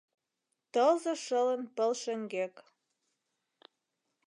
Тылзе шылын пыл шеҥгек.